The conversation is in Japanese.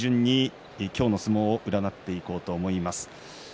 取組前に今日の相撲を占っていこうと思います。